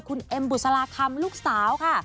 คุณเอ็มบุษลาคำลูกสาวค่ะ